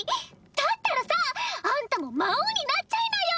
だったらさあんたも魔王になっちゃいなよ！